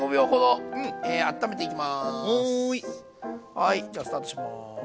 はいじゃスタートします。